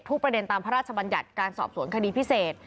ประเด็นตามพระราชบัญญัติการสอบสวนคดีพิเศษ